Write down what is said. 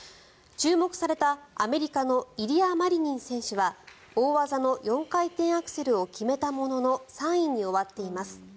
注目された、アメリカのイリア・マリニン選手は大技の４回転アクセルを決めたものの３位に終わっています。